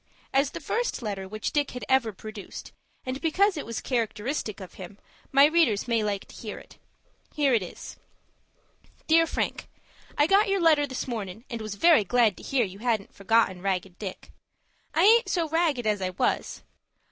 As the first letter which Dick had ever produced, and because it was characteristic of him, my readers may like to read it. Here it is,— "DEAR FRANK,—I got your letter this mornin', and was very glad to hear you hadn't forgotten Ragged Dick. I aint so ragged as I was.